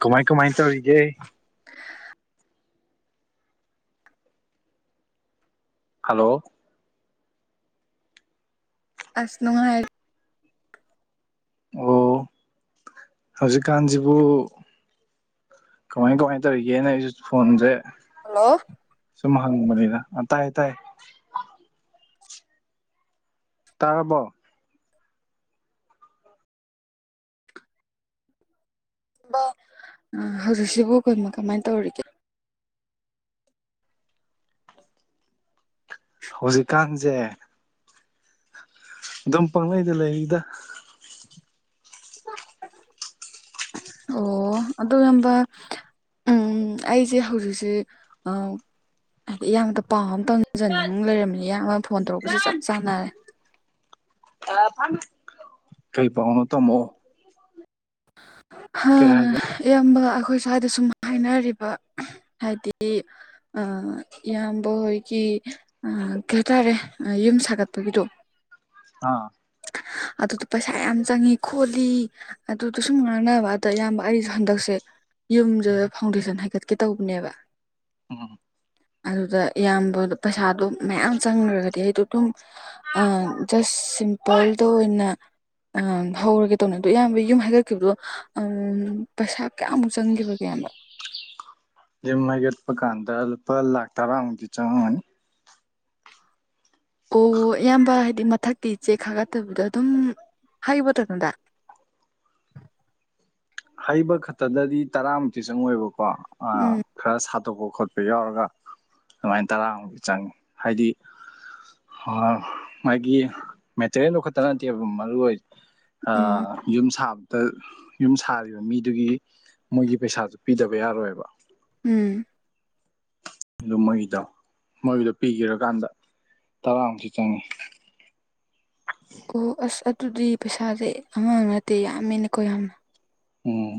ꯀꯃꯥꯏ ꯀꯃꯥꯏ ꯇꯧꯔꯤꯒꯦ ꯍꯜꯂꯣ ꯑꯁ ꯅꯨꯉꯥꯏ ꯑꯣ ꯍꯧꯖꯤꯛꯀꯥꯟꯁꯤꯕꯨ ꯀꯃꯥꯏ ꯀꯃꯥꯏꯅ ꯇꯧꯔꯤꯒꯦꯅ ꯑꯩꯁꯨ ꯐꯣꯟꯁꯦ ꯍꯜꯂꯣ ꯁꯨꯝ ꯍꯪꯕꯅꯤꯗ ꯇꯥꯏꯌꯦ ꯇꯥꯏꯌꯦ ꯇꯥꯔꯕꯣ ꯍꯧꯖꯤꯛꯁꯤꯕꯨ ꯀꯣ ꯀꯃꯥꯏꯅ ꯇꯧꯔꯤꯒꯦ ꯍꯧꯖꯤꯛꯀꯥꯟꯁꯦ ꯑꯗꯨꯝ ꯄꯥꯛꯪꯂꯩꯗ ꯂꯩꯔꯤꯗ ꯑꯣ ꯑꯗꯨꯒ ꯌꯥꯝꯕ ꯎꯝ ꯑꯩꯁꯦ ꯍꯧꯖꯤꯛꯁꯦ ꯍꯥꯏꯗꯤ ꯏꯌꯥꯡꯕꯗ ꯄꯥꯎ ꯑꯃ ꯇꯝꯖꯅꯤꯡꯨ ꯂꯩꯔꯝꯃꯤꯅꯦ ꯏꯡꯕ ꯐꯣꯟ ꯇꯧꯔꯛꯄꯁꯤꯦ ꯆꯞ ꯆꯥꯟꯅꯔꯦ ꯀꯩ ꯄꯥꯎꯅ ꯇꯃꯑꯣ [unintelligible] ꯀꯩꯍꯥꯏꯒꯦ ꯏꯌꯥꯝꯕꯒ ꯑꯩꯈꯣꯏ ꯁ꯭ꯋꯥꯏꯗ ꯁꯨꯝ ꯍꯥꯏꯅꯔꯤꯕ ꯍꯥꯏꯗꯤ ꯏꯌꯥꯝꯕ ꯍꯣꯏꯒꯤ ꯀꯩ ꯍꯥꯏꯇꯥꯔꯦ ꯌꯨꯝ ꯁꯥꯒꯠꯄꯒꯤꯗꯣ ꯑꯥ ꯑꯗꯨꯗꯣ ꯄꯩꯁꯥ ꯌꯥꯝ ꯆꯪꯉꯤ ꯈꯣꯠꯂꯤ ꯑꯗꯨꯗ ꯁꯨꯝ ꯉꯥꯡꯅꯕ ꯑꯗ ꯑꯌꯥꯝꯕ ꯑꯩꯁꯨ ꯍꯟꯗꯛꯁꯦ ꯌꯨꯝꯗꯨꯗ ꯐꯥꯎꯟꯗꯦꯁꯟ ꯍꯥꯏꯒꯠꯀꯦ ꯇꯧꯕꯅꯦꯕ ꯎꯝ ꯑꯗꯨꯗ ꯏꯌꯥꯝꯕ ꯄꯩꯁꯥꯗꯣ ꯃꯌꯥꯝ ꯆꯪꯈ꯭ꯔꯒꯗꯤ ꯑꯩꯗꯣ ꯑꯗꯨꯝ ꯁ ꯁꯤꯝꯄꯜꯗ ꯑꯣꯏꯅ ꯍꯧꯔꯒꯦ ꯇꯧꯅꯤ ꯑꯗꯣ ꯏꯌꯥꯝꯕ ꯌꯨꯝ ꯍꯥꯏꯗꯠꯈꯤꯕꯗꯣ ꯄꯩꯁꯥ ꯀꯌꯥꯃꯨꯛ ꯆꯪꯈꯤꯕꯒꯦ ꯑꯌꯥꯝꯕ ꯃꯩꯒꯦꯠ ꯄꯀꯥꯟꯗ ꯑꯄꯥ ꯂꯥꯛꯇꯥꯔꯥꯎꯗ ꯆꯅꯤ ꯑꯣ ꯑꯌꯥꯝꯕ ꯍꯥꯏꯗꯤ ꯃꯊꯛꯇꯤ ꯏ ꯆꯦꯛ ꯈꯥꯒꯠꯇꯕꯤꯗ ꯑꯗꯨꯝ ꯍꯥꯏ ꯄꯇꯗꯨꯗ ꯍꯩꯕ ꯈꯛꯇꯗꯗꯤ ꯇꯔꯥꯃꯨꯛꯇꯤ ꯆꯪꯉꯣꯏꯕꯀꯣ ꯑ ꯎꯝ ꯈꯔ ꯁꯥꯠꯇꯣꯛꯄ ꯈꯣꯠꯄ ꯌꯥꯎꯔꯒ ꯑꯗꯨꯃꯥꯏꯅ ꯇꯔꯥꯃꯨꯛ ꯆꯪꯉꯤ ꯍꯥꯏꯗꯤ ꯃꯥꯒꯤ ꯃꯦꯇꯔꯤꯌꯦꯜ ꯂꯧꯣꯛꯈꯠꯇ ꯅꯠꯇꯦ ꯑꯗꯨꯝ ꯃꯔꯨ ꯑꯣꯏ ꯑ ꯎꯝ ꯌꯨꯝ ꯁꯥꯕꯗ ꯌꯨꯝ ꯁꯥꯔꯤ ꯃꯤꯗꯨꯒꯤ ꯃꯣꯏꯒꯤ ꯄꯩꯁꯥꯁꯨ ꯄꯤꯗꯕ ꯌꯥꯔꯣꯏꯕ ꯎꯝ ꯑꯗꯨ ꯃꯣꯏꯗ ꯃꯣꯏꯗꯣ ꯄꯤꯒꯔꯀꯥꯟꯗ ꯇꯔꯥꯃꯨꯛꯇꯤ ꯆꯪꯉꯤ ꯑꯣ ꯑꯁ ꯑꯗꯨꯗꯤ ꯄꯩꯁꯥꯁꯦ ꯑꯉꯥꯡ ꯅꯠꯇꯦ ꯌꯥꯝꯃꯦꯅꯀꯣ ꯌꯥꯝꯅ ꯎꯝ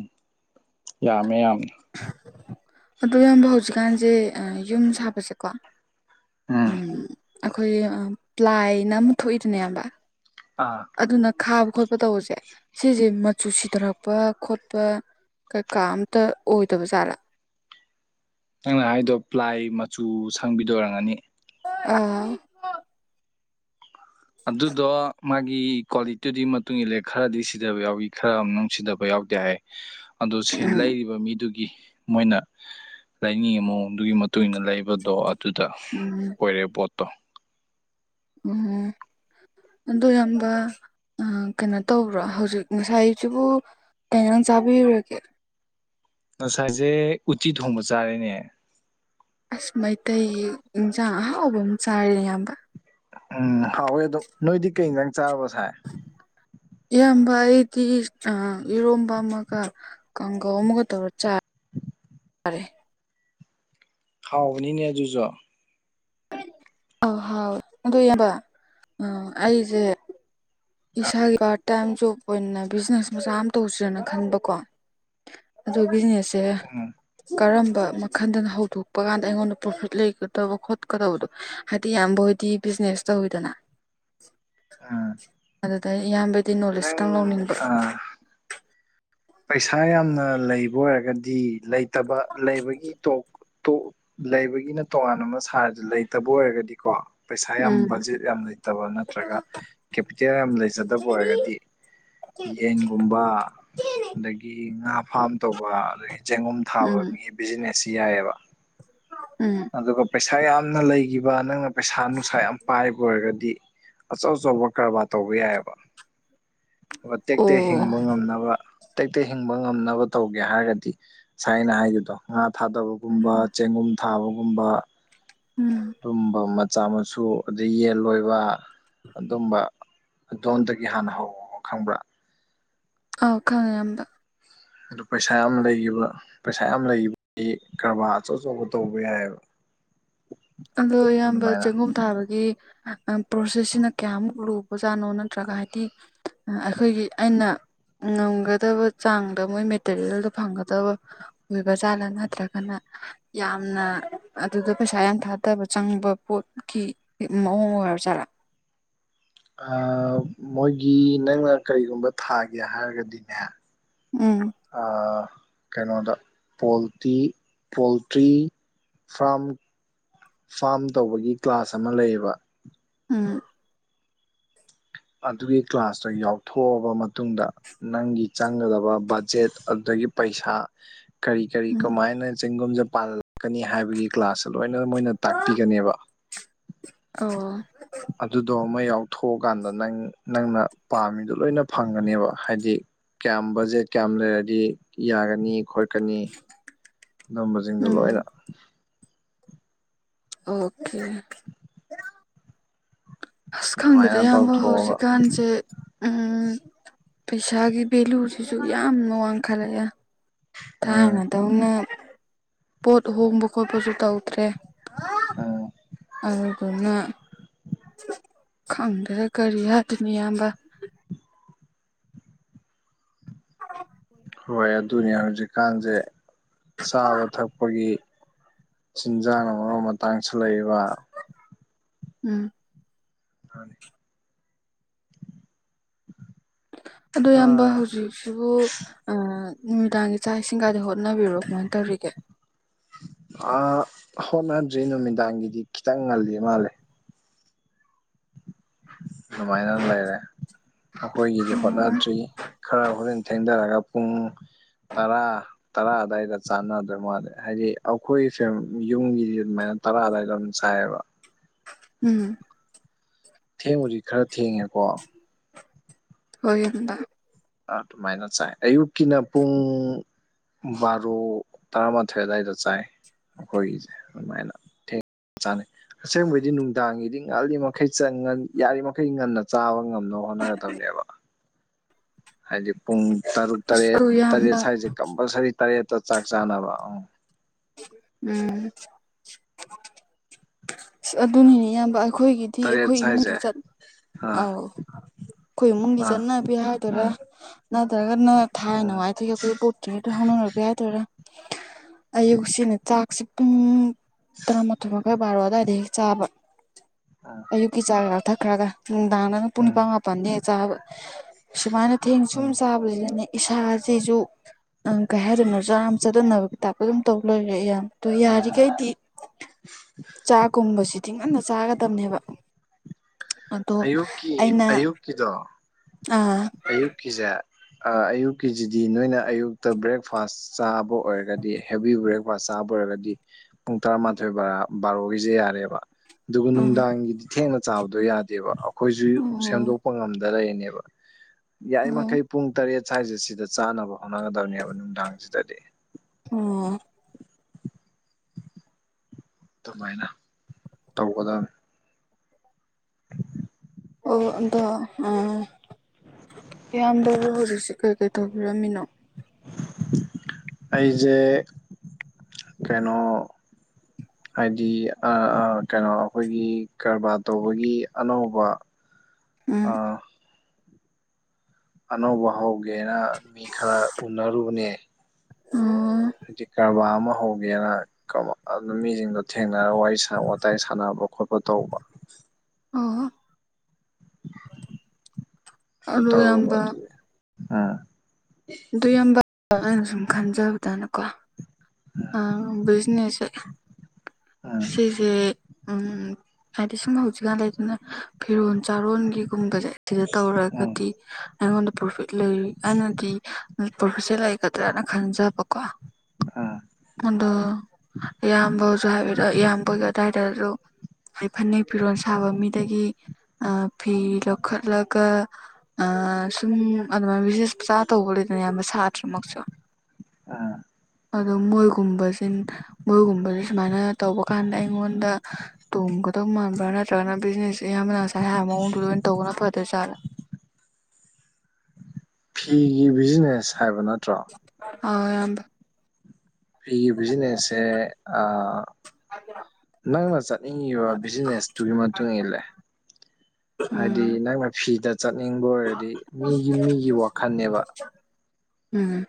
ꯌꯥꯝꯃꯦ ꯌꯥꯝꯅ ꯑꯗꯨ ꯌꯥꯝꯕ ꯍꯧꯖꯤꯀꯥꯟꯁꯦ ꯌꯨꯝ ꯁꯥꯕꯁꯦꯀꯣ ꯎꯝ ꯑꯩꯈꯣꯏꯒꯤ ꯄ꯭ꯂꯥꯏꯅ ꯑꯃꯨꯛ ꯊꯣꯛꯏꯗꯅꯦꯕ ꯑꯥ ꯑꯗꯨꯅ ꯈꯥꯕ ꯈꯣꯠꯄ ꯇꯧꯕꯁꯦ ꯁꯤꯁꯦ ꯃꯆꯨ ꯁꯤꯊꯔꯛꯄ ꯈꯣꯠꯄ ꯀꯩ ꯀꯥ ꯑꯃꯝꯇ ꯑꯣꯏꯗꯕ ꯖꯥꯠꯂꯥ ꯅꯪꯅ ꯍꯥꯏꯗꯣ ꯄ꯭ꯂꯥꯏ ꯃꯆꯨ ꯁꯪꯕꯤꯗ‌ꯣ ꯑ‌‌ꯣꯏꯔꯝꯒꯅꯤ ꯑꯥ ꯑꯗꯨꯗꯣ ꯃꯥꯒꯤ ꯀ꯭ꯋꯥꯂꯤꯇꯤꯗꯨꯏ ꯃꯇꯨꯡ ꯏꯜꯂꯦ ꯈꯔꯗꯤ ꯁꯤꯗꯕ ꯌꯥꯎꯏ ꯈꯔ ꯑꯃ ꯁꯤꯗꯕ ꯌꯥꯎꯗꯦ ꯍꯥꯏ [inaudible] ꯑꯗꯨ ꯁꯦꯟ ꯎꯝ ꯂꯩꯔꯤꯕ ꯃꯤꯗꯨꯒꯤ ꯃꯣꯏꯅ ꯂꯥꯏꯅꯤꯡ ꯃꯑꯣꯡꯗꯨꯒꯤ ꯃꯇꯨꯡ ꯏꯟꯅ ꯂꯩꯕꯗꯣ ꯑꯗꯨꯗ ꯎꯝ ꯑꯣꯏꯔꯦ ꯄꯣꯠꯇꯣ ꯎꯝ ꯑꯗ‌‌ꯣ ꯌꯥꯝꯕ ꯑ ꯀꯩꯅꯣ ꯇꯧꯕ꯭ꯔꯣ ꯍꯧꯖꯤꯛ ꯉꯁꯥꯏꯁꯤꯕꯨ ꯀꯩ ꯏꯟꯖꯥꯡ ꯆꯥꯕꯤꯔꯨꯔꯒꯦ ꯉꯁꯥꯏꯖ‌ꯦ ꯎꯇꯤ ꯊꯣꯡꯕ ꯆꯥꯔꯦꯅꯦ ꯑꯁ ꯃꯩꯇꯩ ꯏꯟꯖꯥꯡ ꯑꯍꯥꯎꯕ ꯑꯃ ꯆꯥꯔꯦꯅ‌ꯦ ꯏꯌꯥꯝꯕ ꯎꯝ ꯍꯥꯎꯋꯦ ꯑꯗꯨ ꯅꯣꯏꯗꯤ ꯀꯩ ꯏꯟꯖꯥꯡ ꯆꯥꯔꯕ ꯉꯁꯥꯏ [inaudible] ꯏꯌꯥꯝꯕ ꯑꯩꯗꯤ ꯑ ꯏꯔꯣꯝꯕ ꯑꯃꯒ ꯀꯥꯡꯒꯧ ꯑꯃꯒ ꯇꯧꯔ ꯆꯥꯔ ꯆꯔꯦ ꯍꯧꯎꯕꯅꯤꯅꯦ ꯑꯗꯨꯖꯨ ꯑ ꯍꯥꯎ ꯑꯗꯨ ꯏꯌꯥꯝꯕ ꯑ ꯑꯩꯖ‌ꯦ ꯏꯁꯥꯒꯤ ꯄꯥꯔꯠ ꯇꯥꯏꯝ ꯖꯣꯕ ꯑꯣꯏꯅ ꯕꯤꯖꯤꯅꯦꯁ ꯃꯆꯥ ꯑꯃ ꯇꯧꯁꯦꯔꯅ ꯈꯟꯕꯀꯣ ꯑꯗꯣ ꯕꯤꯖꯤꯅꯦꯁ ꯁꯦ ꯎꯝ ꯀꯔꯝꯕ ꯃꯈꯟꯗꯅ ꯍꯧꯗꯣꯛꯄ ꯀꯥꯟꯗ ꯑꯩꯉꯣꯟꯗ ꯄ꯭ꯔꯣꯐꯤꯠ ꯂꯩꯒꯗꯕ ꯈꯣꯠꯀꯗꯕꯗꯣ ꯍꯥꯏꯗꯤ ꯏꯌꯥꯝꯕ ꯍ‌ꯣꯏꯗꯤ ꯕꯤꯖꯤꯅꯦꯁ ꯇꯧꯋꯤꯗꯅ ꯑꯝ ꯑꯗꯨꯗ ꯏꯌꯥꯝꯕꯗꯩ ꯅꯣꯂꯦꯖ ꯇꯪ ꯂꯧꯅꯤꯡꯕꯦ ꯑ ꯄꯩꯁꯥ ꯌꯥꯝꯅ ꯂꯩꯕ ꯑꯣꯏꯔꯒꯗꯤ ꯂꯩꯇꯕ ꯂꯩꯕꯒꯤ ꯇꯣꯛ ꯇ‌ꯣꯛ ꯂꯩꯕꯒꯤꯅ ꯇꯣꯉꯥꯟ ꯑꯃ ꯁꯥꯔꯖ‌ꯦ ꯂꯩꯇꯕ ꯑꯣꯏꯔꯒꯗꯤꯀꯣ ꯄꯩꯁꯥ ꯌꯥꯝ ꯎꯝ ꯕꯖꯦꯠ ꯌꯥꯝ ꯂꯩꯇꯕ ꯅꯠꯇ꯭ꯔꯒ ꯀꯦꯄꯤꯇꯦꯜ ꯌꯥꯝ ꯂꯩꯖꯗꯕ ꯑꯣꯏꯔꯒꯗꯤ ꯌꯦꯟꯒꯨꯝꯕ ꯑꯗꯒꯤ ꯉꯥ ꯐꯥꯝ ꯇꯧꯕ ꯆꯦꯡꯒꯨꯝ ꯊꯥꯕ ꯎꯝ ꯒꯤ ꯕꯤꯖꯤꯅꯦꯁ ꯁꯤ ꯌꯥꯏꯌ‌ꯦꯕ ꯎꯝ ꯑꯗꯨꯒ ꯄꯩꯁꯥ ꯌꯥꯝꯅ ꯂꯩꯒꯤꯕ ꯅꯪꯅ ꯄꯩꯁꯥ ꯅꯨꯡꯁꯥ ꯌꯥꯝ ꯄꯥꯏꯕ ꯑꯣꯏꯔꯒꯗꯤ ꯑꯆꯧ ꯑꯆꯧꯕ ꯀꯔꯕꯥꯔ ꯇꯧꯕ ꯌꯥꯏꯌꯦꯕ ꯇꯦꯛ ꯇꯦꯛ ꯑꯣ ꯍꯤꯡꯕ ꯉꯝꯅꯕ ꯇꯦꯛ ꯇꯦꯛ ꯍꯤꯡꯕ ꯉꯝꯅꯕ ꯇꯧꯒꯦ ꯍꯥꯏꯔꯗꯤ ꯉꯁꯥꯏ ꯑꯩꯅꯥ ꯍꯥꯏꯒꯤꯕꯗꯣ ꯉꯥ ꯊꯥꯗꯕꯒꯨꯝꯕ ꯎꯝ ꯆꯦꯡꯒꯨꯝ ꯊꯥꯕꯒꯨꯝꯕ ꯎꯝ ꯑꯗꯨꯝꯕ ꯃꯆꯥ ꯃꯁꯨ ꯑꯗꯩ ꯌꯦꯟ ꯂꯣꯏꯕ ꯑꯗꯨꯝꯕ ꯑꯗꯣꯟꯗꯒꯤ ꯍꯥꯟꯅ ꯍꯧ ꯈꯪꯕ꯭ꯔꯥ ꯑꯧ ꯈꯪꯉꯦ ꯏꯌꯥꯝꯕ ꯑꯗꯨ ꯄꯩꯁꯥ ꯌꯥꯝꯅ ꯂꯩꯒꯤꯕ ꯄꯩꯁꯥ ꯌꯥꯝ ꯂꯩꯒꯤ ꯀꯔꯕꯥꯔ ꯑꯆꯧ ꯑꯆꯧꯕ ꯇꯧꯕ ꯌꯥꯏ ꯌ‌ꯦꯕ ꯑꯗꯣ ꯏꯌꯥꯝꯕ ꯆꯦꯡꯒꯨꯝ ꯊꯥꯕꯒꯤ ꯄ꯭ꯔꯣꯁꯦꯁꯁꯤꯅ ꯀꯌꯥꯃꯨꯛ ꯂꯨꯕꯖꯥꯠꯅꯣ ꯅꯠꯇ꯭ꯔꯒ ꯍꯥꯏꯗꯤ ꯑꯩꯈꯣꯏꯒꯤ ꯑꯩꯅ ꯉꯝꯒꯗꯕ ꯆꯥꯡꯗ ꯃꯣꯏ ꯃꯦꯇꯔꯤꯌꯦꯜꯗꯣ ꯐꯪꯒꯗꯕ ꯑꯣꯏꯕꯥ ꯖꯥꯠꯂꯥ ꯅꯠꯇ꯭ꯔꯒꯅ ꯌꯥꯝꯅ ꯑꯗꯨꯗ ꯄꯩꯁꯥ ꯌꯥꯝ ꯊꯥ ꯇꯕ ꯆꯪꯕ ꯄꯣꯠꯀꯤ ꯃꯑꯣꯡ ꯑꯣꯏꯔꯖꯥꯠꯂ ꯑꯥ ꯃꯣꯏꯒꯤ ꯅꯪꯅ ꯀꯔꯤꯒꯨꯝꯕ ꯊꯥꯒꯦ ꯍꯥꯏꯔꯒꯗꯤꯅꯦ ꯎꯝ ꯑꯥ ꯀꯩꯅꯣꯗ ꯄꯣꯜꯇꯤ ꯄꯣꯜꯇ꯭ꯔꯤ ꯐꯥꯝ ꯐꯥꯝ ꯇꯧꯕꯒꯤ ꯀ꯭ꯂꯥꯁ ꯑꯃ ꯂꯩꯌꯦꯕ ꯎꯝ ꯑꯗꯨꯒꯤ ꯀ꯭ꯂꯥꯁꯇꯣ ꯌꯥꯎꯊꯣꯛꯑꯕ ꯃꯇꯨꯡꯗ ꯅꯪꯒꯤ ꯆꯪꯒꯗꯕ ꯕꯖꯦꯠ ꯑꯗꯨꯗꯒꯤ ꯄꯩꯁꯥ ꯀꯔꯤ ꯀꯔꯤ ꯎꯝ ꯀꯃꯥꯏꯅ ꯆꯦꯡꯒꯨꯝꯁꯦ ꯄꯥꯜꯂꯂꯛꯀꯅꯤ ꯍꯥꯏꯕꯒꯤ ꯀ꯭ꯂꯥꯁ ꯂꯣꯏꯅ ꯃꯣꯏꯅ ꯇꯥꯛꯄꯤꯒꯅꯦꯕ ꯑꯣ ꯑꯗꯨꯗꯣ ꯑꯃ ꯌꯥꯎꯊꯣꯛꯑꯀꯥꯟꯗ ꯅꯪ ꯅꯪꯅ ꯄꯥꯝꯃꯤꯗꯣ ꯂꯣꯏꯅ ꯐꯪꯒꯅꯦꯕ ꯍꯥꯏꯗꯤ ꯀꯌꯥꯝ ꯕꯖꯦꯠ ꯀꯌꯥꯝ ꯂꯩꯔꯗꯤ ꯌꯥꯒꯅꯤ ꯈꯣꯏ ꯆꯥꯛ [unintelligible] ꯀꯅꯤ ꯑꯗꯨꯝꯕꯁꯤꯡꯗꯣ ꯎꯝ ꯂꯣꯏꯅ ꯑꯣꯀꯦ ꯑꯁ ꯈꯪꯗꯦꯗ ꯑꯗꯨꯃꯥꯏꯅ ꯏꯌꯥꯝꯕ ꯇꯧꯊꯣꯛꯑꯒ ꯍꯧꯖꯤꯛꯀꯥꯟꯁꯦ ꯎꯝ ꯄꯩꯁꯥꯒꯤ ꯚꯦꯂꯨꯁꯤꯁꯨ ꯌꯥꯝꯅ ꯋꯥꯡꯈꯠꯂꯛꯑꯦ ꯎꯝ ꯊꯥꯏꯅꯗꯧꯅ ꯄꯣꯠ ꯍꯣꯡꯕ ꯈꯣꯠꯄꯁꯨ ꯇꯧꯗ꯭ꯔꯦ ꯑꯝ ꯑꯗꯨꯗꯨꯅ ꯈꯪꯗꯔ꯭ꯦꯗꯥ [unintelligible] ꯀꯔꯤ ꯍꯥꯗꯣꯏꯅꯣ ꯏꯌꯥꯝꯕ ꯍ [inaudible] ꯍꯣꯏ ꯑꯗꯨꯅꯦ ꯍꯧꯖꯤꯛꯀꯥꯟꯁꯦ ꯆꯥꯕ ꯊꯛꯄꯒꯤ ꯆꯤꯟꯖꯥꯛꯅ ꯃꯔꯣꯜ ꯑꯃ ꯇꯥꯡꯁꯤꯜꯂꯛꯏꯕ ꯎꯝ ꯍꯅꯤ [unintelligible] ꯑꯗꯣ ꯏꯌꯥꯝꯕ ꯑꯥ ꯍꯧꯖꯤꯛꯁꯤꯕꯨ ꯑ ꯅꯨꯃꯤꯗꯥꯡꯒꯤ ꯆꯥꯛ ꯏꯁꯤꯡꯒꯗꯤ ꯍꯣꯠꯅꯕꯤꯔꯕ ꯀꯃꯥꯏꯅ ꯇꯧꯔꯤꯒꯦ ꯑ ꯍꯣꯠꯅꯗ꯭ꯔꯤ ꯅꯨꯃꯤꯗꯥꯡꯒꯤꯗꯤ ꯈꯤꯇꯪ ꯉꯜꯂꯤ ꯃꯥꯜꯂꯦ ꯑꯗꯨꯃꯥꯏꯅ ꯂꯩꯔꯦ ꯑꯈꯣꯏꯒꯤꯗꯤ ꯍꯣꯠꯅꯗ꯭ꯔꯤ ꯈꯔ ꯍꯣꯔꯦꯟ ꯊꯦꯡꯗꯔꯒ ꯄꯨꯡ ꯇꯔꯥ ꯇꯔꯥ ꯑꯗꯨꯋꯥꯏꯗ ꯆꯥꯟꯅꯗꯣꯏ ꯃꯥꯜꯂꯦ ꯍꯥꯏꯗꯤ ꯑꯩꯈꯣꯏ ꯁꯦꯝ ꯌꯨꯝꯒꯤ ꯑꯗꯨꯃꯥꯏꯅ ꯇꯔꯥ ꯑꯗꯨꯋꯥꯏꯗ ꯑꯗꯨꯝ ꯆꯥꯏꯌꯦꯕ ꯎꯝ ꯊꯦꯡꯕꯨꯗꯤ ꯈꯔ ꯊꯦꯡꯉꯦꯀꯣ [unintelligible] [inaudible] ꯑꯗꯨꯃꯥꯏꯅ ꯆꯥꯏ ꯑꯌꯨꯛꯀꯤꯅ ꯄꯨꯡ ꯕꯥꯔꯣ ꯇꯔꯥꯃꯥꯊꯣꯏ ꯑꯗꯨꯋꯥꯏꯗ ꯆꯥꯏ ꯑꯩꯈꯣꯏꯒꯤꯁꯦ ꯑꯗꯨꯃꯥꯏꯅ ꯊꯦꯡꯅ ꯆꯥꯅꯩ ꯑꯁꯦꯡꯕꯩꯗꯤ ꯅꯨꯡꯗꯥꯡꯒꯤꯗꯤ ꯉꯥꯜꯂꯤ ꯃꯈꯩ ꯆꯪ ꯌꯥꯔꯤꯃꯈꯩ ꯉꯟꯅ ꯆꯥꯕ ꯉꯝꯅꯕ ꯍꯣꯠꯅꯒꯗꯕꯅꯦꯕ ꯍꯥꯏꯗꯤ ꯄꯨꯡ ꯇꯔꯨꯛ ꯑꯁ ꯇꯔꯦꯠ ꯑꯗꯨ ꯇꯔꯦꯠ ꯏꯌꯥꯝꯕ ꯁ꯭ꯋꯥꯏꯁꯦ ꯀꯝꯄꯜꯁꯔꯤ ꯇꯔꯦꯠꯇꯣ ꯆꯥꯛ ꯆꯥꯅꯕ ꯎ ꯎꯝ ꯑꯗꯨꯅꯤꯅꯦ ꯏꯌꯥꯝꯕ ꯑꯩꯈꯣꯏꯒꯤ ꯗꯤ ꯇꯔꯦꯠ ꯑꯩꯈꯣꯏ ꯏꯃꯨꯡꯒꯤ ꯁ꯭ꯋꯥꯏꯁꯦ ꯆꯠ ꯑꯥ ꯑꯥꯎ ꯑꯩꯈꯣꯏ ꯏꯃꯨꯡꯒꯤ ꯑꯥ ꯆꯠꯅꯕꯤ ꯍꯥꯏꯗꯣꯏꯔꯥ ꯎꯝ ꯅꯠꯇ꯭ꯔꯒꯅ ꯊꯥꯏꯅ ꯎꯝ ꯋꯥꯏꯗꯒꯤ ꯑꯩꯈꯣꯏ ꯄꯣꯠꯇ꯭ꯔꯤꯉꯩꯗꯒꯤ ꯍꯧꯅꯔꯄꯒꯤ ꯍꯥꯏꯗꯣꯏꯔꯥ ꯑꯌꯨꯛꯁꯤꯅ ꯆꯥꯛꯁꯦ ꯄꯨꯡ ꯇꯔꯥꯃꯥꯊꯣꯏ ꯃꯈꯥꯏ ꯕꯥꯔꯣ ꯑꯗꯨꯋꯥꯏꯗꯒꯤ ꯆꯥꯕ ꯎꯝ ꯑꯌꯨꯛꯀꯤ ꯆꯥ ꯈꯔ ꯊꯛꯈ꯭ꯔꯒ ꯅꯨꯡꯗꯥꯡꯗꯅ ꯄꯨꯡ ꯎꯝ ꯅꯤꯄꯥꯟ ꯃꯥꯄꯟꯅꯦ ꯆꯥꯕ ꯁꯨꯃꯥꯏꯅ ꯊꯦꯡ ꯁꯨꯝ ꯎꯝ ꯆꯥꯕꯁꯤꯗꯅꯦ ꯏꯁꯥꯁꯤꯁꯨ ꯎꯝ ꯀꯩ ꯍꯥꯏꯗꯣꯏꯅꯣ ꯆꯥꯔꯝ ꯆꯠꯇꯅꯕꯒꯤ ꯇꯥꯏꯞꯇ ꯑꯗꯨꯝ ꯇꯧ ꯂꯩꯔꯦ ꯏꯌꯥꯝꯕ ꯇꯨ ꯎꯝ ꯌꯥꯔꯤꯈꯩꯗꯤ ꯆꯥꯀꯨꯝꯕꯁꯤ ꯇꯤꯡꯉꯟꯅ ꯆꯥꯒꯗꯕꯅꯦꯕ ꯑꯗꯣ ꯑꯌꯨꯛꯀꯤ ꯑꯩꯅ [unintelligible] ꯑꯥ ꯑꯌꯨꯛꯀꯤꯖꯦ ꯑꯥ ꯑꯌꯨꯛꯀꯤꯖꯤꯗꯤ ꯅꯣꯏꯅ ꯑꯌꯨꯛꯇ ꯕ꯭ꯔꯦꯛꯐꯥꯁ ꯆꯥꯕ ꯑꯣꯏꯔꯒꯗꯤ ꯍꯦꯕꯤ ꯕ꯭ꯔꯦꯛ ꯐꯥꯁ ꯆꯥꯕ ꯑꯣꯏꯔꯒꯗꯤ ꯄꯨꯡ ꯇꯔꯥꯃꯥꯊꯣꯏ ꯕꯥꯔ ꯕꯥꯔꯣꯒꯤꯖꯦ ꯌꯥꯔꯦꯕ ꯑꯗꯨꯒ ꯑꯥ ꯅꯨꯡꯗꯥꯡꯒꯤꯗꯤ ꯊꯦꯡꯅ ꯆꯥꯕꯗꯣ ꯌꯥꯗꯦꯕ ꯑꯩꯈꯣꯏꯁꯨ ꯑꯣ ꯁꯦꯝꯗꯣꯛꯄ ꯉꯝ ꯗ ꯂꯩꯅꯦꯕ ꯑꯣ ꯌꯥꯔꯤꯃꯈꯩ ꯄꯨꯡ ꯇꯔꯦꯠ ꯁ꯭ꯋꯥꯥꯏꯖꯦ ꯁꯤꯗ ꯆꯥꯅꯕ ꯍꯣꯠꯅꯒꯗꯕꯅꯦꯕ ꯅꯨꯡꯗꯥꯡꯖꯤꯗꯗꯤ ꯑꯣ ꯑꯗꯨꯃꯥꯏꯅ ꯇꯧꯒꯗꯝꯅꯤ [inaudible] ꯑꯣ ꯑꯗꯣ ꯑ ꯏꯌꯥꯝꯕꯗꯣ ꯍꯧꯖꯤꯛꯁꯦ ꯀꯩꯀꯩ ꯇꯧꯕꯤꯔꯝꯃꯤꯅꯣ ꯑꯩꯖꯦ ꯀꯩꯅꯣ ꯍꯥꯏꯗꯤ ꯑꯥꯑ ꯀꯩꯅꯣ ꯑꯩꯈꯣꯏꯒꯤ ꯀꯔꯕꯥꯔ ꯇꯧꯕꯒꯤ ꯑꯅꯧꯕ ꯎꯝ ꯑꯥ ꯑꯅꯧꯕ ꯍꯧꯒꯦꯅ ꯃꯤ ꯈꯔ ꯎꯅꯔꯨꯕꯅꯦ ꯎꯝ ꯍꯧꯖꯤꯛ ꯀꯔꯕꯥꯔ ꯑꯃ ꯍꯧꯒꯦꯅ ꯀꯃ ꯑꯗꯨ ꯃꯤꯁꯤꯡꯗꯣ ꯊꯦꯡꯅꯔ ꯋꯥꯔꯤ ꯁꯥ ꯋꯥꯇꯥꯏ ꯁꯥꯟꯅꯕ ꯈꯣꯠꯄ ꯇꯧꯕ ꯑꯣꯍꯣ ꯑꯗꯨ ꯇꯧꯔꯨꯕ ꯑꯗꯨꯒꯤ ꯎꯝ ꯑꯗꯨ ꯏꯌꯥꯝꯕ ꯑꯩꯅ ꯁꯨꯝ ꯈꯟꯖꯕꯗꯅꯀꯣ ꯑꯪ ꯕꯤꯖꯤꯅꯦꯁꯁꯦ ꯎꯝ ꯁꯤꯖꯦ ꯎꯝ ꯍꯥꯏꯗꯤ ꯁꯨꯝ ꯍꯧꯖꯤꯛꯀꯥꯟ ꯂꯩꯗꯅ ꯐꯤꯔꯣꯟ ꯆꯥꯔꯣꯟꯒꯤꯒꯨꯝꯕꯖꯦ ꯁꯤꯗ ꯎꯝ ꯇꯧꯔꯒꯗꯤ ꯑꯩꯉꯣꯟꯗ ꯄ꯭ꯔꯣꯐꯤꯠ ꯂꯩꯔꯤ ꯑꯅꯗꯤ ꯄ꯭ꯔꯣꯐꯤꯠꯁꯦ ꯂꯩꯒꯗ꯭ꯔꯅ ꯈꯟꯖꯕꯀꯣ ꯎꯝ ꯑꯗꯣ ꯏꯌꯥꯝꯕꯁꯨ ꯍꯥꯏꯕꯤꯔꯛ ꯏꯌꯥꯝꯕꯒꯤ ꯑꯗꯥꯏꯗꯖꯨ [unintelligible] ꯐꯅꯦꯛ ꯐꯤꯔꯣꯜ ꯁꯥꯕ ꯃꯤꯗꯒꯤ ꯑ ꯐꯤ ꯂꯧꯈꯠꯂꯒ ꯑ ꯁꯨꯝ ꯑꯗꯨꯃꯥꯏꯅ ꯕꯤꯖꯤꯅꯦꯁ ꯃꯆꯥ ꯇꯧꯕ ꯂꯩꯗꯅ ꯏꯌꯥꯝꯕ ꯁꯥꯇ꯭ꯔꯃꯛꯁꯨ ꯑ ꯑꯗꯣ ꯃꯣꯏꯒꯨꯝꯕꯁꯖꯤꯟ ꯃꯣꯏꯒꯨꯝꯕꯖꯦ ꯁꯨꯃꯥꯏꯅ ꯇꯧꯕ ꯀꯥꯟꯗ ꯑꯩꯉꯣꯟꯗ ꯇꯣꯡꯒꯗꯧ ꯃꯥꯟꯕ꯭ꯔꯥ ꯅꯠꯇ꯭ꯔꯒꯅ ꯕꯤꯖꯤꯅꯦꯁꯁꯦ ꯏꯌꯥꯝꯕꯅ ꯉꯁꯥꯏ ꯍꯥꯏꯕ ꯃꯑꯣꯡꯗꯨꯗ ꯑꯣꯏꯅ ꯇꯧꯕꯅ ꯐꯗꯣꯏꯖꯠꯂ ꯐꯤꯒꯤ ꯕꯤꯖꯤꯅꯦꯁ ꯍꯥꯏꯕ ꯅꯠꯇ꯭ꯔꯣ ꯑꯧ ꯏꯌꯥꯝꯕ ꯐꯤꯒꯤ ꯕꯤꯖꯤꯅꯦꯁꯁꯦ ꯑꯥ [unintelligible] ꯅꯪꯅ ꯆꯠꯅꯤꯡꯉꯤꯕ ꯕꯤꯖꯤꯅꯦꯁꯇꯨꯒꯤ ꯃꯇꯨꯡ ꯏꯜꯂꯦ ꯍꯥꯏꯗꯤ ꯅꯪꯅ ꯐꯤꯗ ꯆꯠꯅꯤꯡꯕ ꯑꯣꯏꯔꯗꯤ ꯃꯤꯒꯤ ꯃꯤꯒꯤ ꯋꯥꯈꯟꯅꯦꯕ ꯎꯝ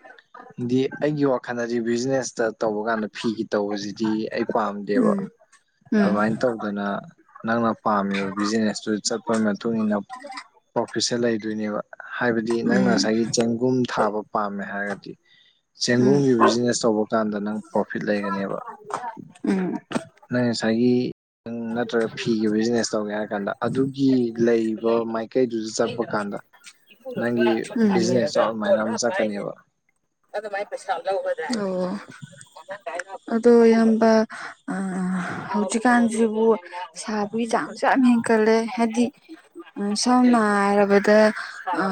ꯗꯤ ꯑꯩꯒꯤ ꯋꯥꯈꯜꯗꯗꯤ ꯕꯤꯖꯤꯅꯦꯁꯇ ꯇꯧꯕ ꯀꯥꯟꯗ ꯐꯤꯒꯤ ꯇꯧꯕꯖꯤꯗꯤ ꯑꯩ ꯄꯥꯝꯗꯦꯕ ꯎꯝ ꯑꯗꯨꯃꯥꯏꯅ ꯇꯧꯗꯅ ꯅꯪꯅ ꯄꯥꯝꯃꯤꯕ ꯕꯤꯖꯤꯅꯦꯁꯇꯨꯗ ꯆꯠꯄꯩ ꯃꯇꯨꯡꯏꯟꯅ ꯄ꯭ꯔꯣ ꯐꯤꯠꯁꯦ ꯂꯩꯗꯣꯏꯅꯦꯕ ꯍꯥꯏꯕꯗꯤ ꯎꯝ ꯅꯪꯅ ꯎꯝ ꯉꯁꯥꯏꯒꯤ ꯆꯦꯡꯒꯨꯝ ꯊꯥꯕ ꯄꯥꯝꯃꯦ ꯍꯥꯏꯔꯗꯤ ꯎꯝ ꯆꯦꯡꯒꯨꯝꯒꯤ ꯕꯤꯖꯤꯅꯦꯁ ꯇꯧꯕ ꯀꯥꯟꯗ ꯅꯪ ꯄ꯭ꯔꯣꯐꯤꯠ ꯂꯩꯒꯅꯤꯕ ꯎꯝ ꯅꯪ ꯉꯁꯥꯏꯒꯤ ꯅꯠꯇ꯭ꯔꯒ ꯐꯤꯒꯤ ꯕꯤꯖꯤꯅꯦꯁ ꯇꯧꯒꯦ ꯍꯥꯏꯔ ꯀꯥꯟꯗ ꯑꯗꯨꯒꯤ ꯂꯩꯔꯤꯕ ꯃꯥꯏꯀꯩꯗꯨꯗ ꯆꯠꯄ ꯀꯥꯟꯗ ꯅꯪꯒꯤ ꯕꯤꯖꯤꯅꯦꯁꯇꯣ ꯑꯗꯨꯃꯥꯏꯅ ꯑꯃ ꯎꯝ ꯆꯠꯀꯅꯦꯕ ꯑꯗꯨꯃꯥꯏ ꯄꯩꯁꯥ ꯂꯧꯒ꯭ꯔꯗꯥꯏ ꯑꯣ ꯑꯗꯣ ꯏꯌꯥꯝꯕ ꯑ ꯍꯧꯖꯤꯛꯀꯥꯟꯖꯤꯕꯨ ꯁꯥꯕꯒꯤ ꯆꯥꯡꯁꯨ ꯌꯥꯝ ꯍꯦꯟ [unintelligible] ꯍꯥꯏꯗꯤ ꯎꯝ ꯁꯝꯅ ꯍꯥꯏꯔꯕꯗ ꯑ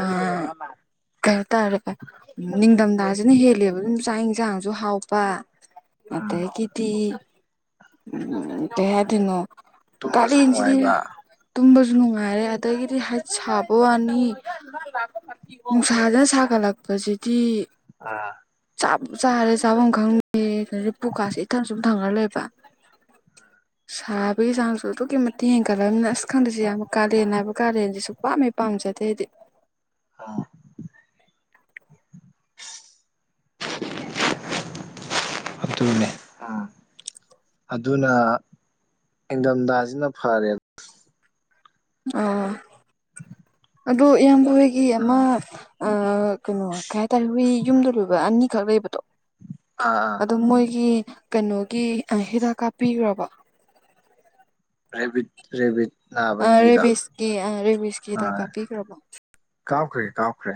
ꯀꯩ ꯍꯥꯏꯇꯥꯔꯦ ꯅꯤꯡꯊꯝꯊꯥꯁꯤꯅ ꯍꯦꯜꯂꯦꯕ ꯑꯗꯨꯝ ꯆꯥꯛ ꯌꯦꯟꯁꯥꯡꯁꯨ ꯍꯥꯎꯕ ꯎꯝ ꯑꯗꯒꯤꯗꯤ ꯎꯝ ꯀꯩ ꯍꯥꯏꯗꯣꯏꯅꯣ ꯇꯨꯝꯕꯁꯨ ꯅꯨꯡꯉꯥꯏꯕ [unintelligible] ꯇꯨꯝꯕꯁꯨ ꯅꯨꯡꯉꯥꯏꯔꯦ ꯑꯗꯒꯤꯗꯤ ꯍ ꯁꯥꯕ ꯋꯥꯅꯤ [unintelligible] ꯅꯨꯡꯁꯥꯁꯤꯅ ꯁꯥꯒꯠꯂꯛꯄꯁꯤꯗꯤ ꯑꯥ ꯆꯥꯛ ꯆꯥꯔꯦ ꯆꯥꯐꯝ ꯈꯪꯗꯦ ꯄꯨꯛꯀꯥꯁꯦ ꯏꯊꯟ ꯁꯨꯝ ꯊꯪꯀꯠ ꯂꯩꯕ [unintelligible] ꯁꯥꯕꯒꯤ ꯆꯥꯡꯁꯨ ꯑꯗꯨꯛꯀꯤ ꯃꯇꯤꯛ ꯍꯦꯟꯒꯠꯂꯕꯅꯤꯅ ꯑꯁ ꯈꯪꯗꯦꯁꯦ ꯌꯥꯝ ꯀꯥꯂꯦꯟ ꯍꯥꯏꯕ ꯀꯥꯂꯦꯟꯁꯦ ꯁꯨꯡꯄꯥꯝ ꯍꯦꯛ ꯄꯥꯝꯖꯗꯦ ꯑꯩꯗꯤ ꯑꯥ [inaudible] [unintelligible] ꯑꯗꯨꯅꯦ ꯑ ꯑꯗꯨꯅ ꯏꯪꯗꯝꯊꯥꯁꯤꯅ ꯐꯔꯦ ꯑꯥ ꯑꯗꯨ ꯏꯌꯥꯝꯕ ꯏꯪꯊꯝ ꯍꯣꯏꯒꯤ ꯑꯃ ꯑꯥ ꯑ ꯀꯩꯅꯣ ꯀꯩ ꯍꯥꯏꯇꯥꯔꯦ ꯍꯨꯏ ꯌꯨꯝꯗ ꯂꯣꯏꯕ ꯑꯅꯤꯈꯛ ꯂꯩꯕꯗꯣ ꯑꯥ ꯑꯥ ꯑꯗꯣ ꯃꯣꯏꯒꯤ ꯀꯩꯅꯣꯒꯤ ꯍꯤꯗꯥꯛ ꯀꯥꯞꯄꯤꯈ꯭ꯔꯕꯣ ꯔꯦꯕꯤꯠ ꯔꯦꯕꯤꯠ ꯑ ꯅꯥꯕꯒꯤꯗꯣ ꯔꯦꯕꯤꯁꯀꯤ ꯑ ꯔꯦꯕꯤꯁꯀꯤ ꯍꯤꯗꯥꯛ ꯀꯥꯞꯄꯤꯈ꯭ꯔꯕꯣ ꯀꯥꯞꯈ꯭ꯔꯦ ꯀꯥꯞꯈ꯭ꯔꯦ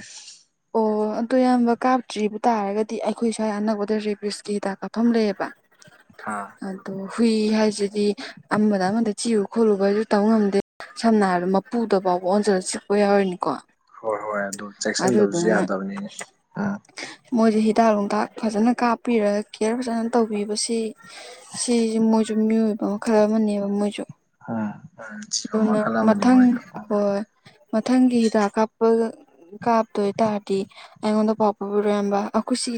ꯑꯣ ꯑꯗꯣ ꯏꯌꯥꯝꯕ ꯀꯥꯞꯇ꯭ꯔꯤꯕ ꯇꯥꯔꯒꯗꯤ ꯑꯩꯈꯣꯏ ꯁ꯭ꯋꯥꯏ ꯑꯅꯛꯄꯗ ꯔꯦꯕꯤꯁꯀꯤ ꯍꯤꯗꯥꯛ ꯀꯥꯞꯐꯝ ꯂꯩꯌꯦꯕ [unintelligible] ꯑꯥ ꯑꯗꯣ ꯍꯨꯏ ꯍꯥꯏꯁꯤꯗꯤ ꯑꯃꯗ ꯑꯃꯗ ꯆꯤꯛꯎ ꯈꯣꯠꯂꯨꯕ ꯍꯥꯏꯁꯨ ꯇꯝ ꯉꯝꯗꯦ ꯁꯝꯅ ꯍꯥꯏꯔꯕꯗ ꯃꯄꯨꯗ ꯐꯥꯎꯕ ꯑꯣꯟꯁꯤꯜꯂ ꯆꯤꯛꯄ ꯌꯥꯎꯔꯤꯅꯤꯀꯣ ꯍꯣꯏ ꯍꯣꯏ ꯑꯗꯨ ꯆꯦꯛꯁꯤꯟꯗꯕꯁꯨ ꯌꯥꯗꯕꯅꯤꯅꯦ ꯎꯝ ꯃꯣꯏꯁꯤ ꯍꯤꯗꯥꯛ ꯅꯨꯡꯊꯥꯛ ꯐꯖꯅ ꯀꯥꯞꯄꯤꯔꯒ ꯀꯦꯌꯔ ꯐꯖꯅ ꯇꯧꯕꯤꯕꯁꯤ ꯁꯤꯁꯦ ꯃꯣꯏꯁꯨ ꯃꯤꯑꯣꯏꯕ ꯃꯈꯜ ꯑꯃꯅꯦꯕ ꯃꯣꯏꯁꯨ ꯎꯝ ꯎꯝ ꯖꯤꯕ ꯑꯗꯨꯅ ꯃꯈꯜ ꯑꯃꯅꯤ ꯃꯊꯪ ꯃꯣꯏꯁꯨ ꯎꯝ ꯍꯣꯏ ꯃꯊꯪꯒꯤ ꯍꯤꯗꯥꯛ ꯀꯥꯞ [unintelligible] ꯀꯥꯞꯇꯣꯏꯇꯥꯔꯗꯤ ꯑꯩꯉꯣꯟꯗ ꯄꯥꯎ ꯐꯥꯎꯕꯤꯔꯛꯑꯣ ꯏꯌꯥꯝꯕ ꯑꯩꯈꯣꯏꯁꯤ